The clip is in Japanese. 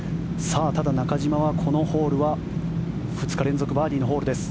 ただ、中島はこのホールは２日連続バーディーのホールです。